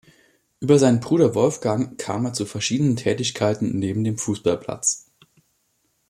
Über seinen Bruder Wolfgang kam er zu verschiedenen Tätigkeiten neben dem Fußballplatz.